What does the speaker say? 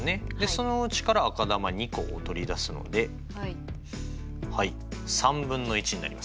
そのうちから赤球２個を取り出すのではい３分の１になりますね。